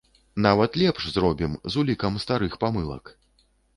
Нават лепш зробім, з улікам старых памылак.